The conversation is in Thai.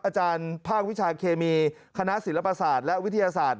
อาจารย์ภาควิชาเคมีคณะศิลปศาสตร์และวิทยาศาสตร์